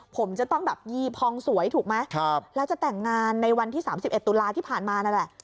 ผมจะต้องแบบยีพองสวยถูกไหมแล้วจะแต่งงานในวันที่๓๑ตุลาที่ผ่านมานั่นแหละ